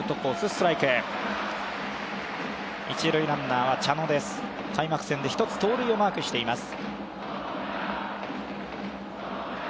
一塁は茶野、開幕戦で１つ盗塁をマークしています。